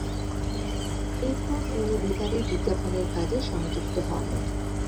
এরপর তিনি বেতারে বিজ্ঞাপনের কাজে সংযুক্ত হন।